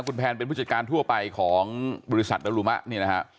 คุณแพนเป็นผู้จัดการทั่วไปของบริษัทดรุมะเนี่ยนะฮะ